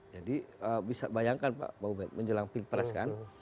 jadi bayangkan pak baubet menjelang pilpres kan